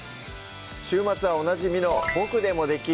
週末はおなじみの「ボクでもできる！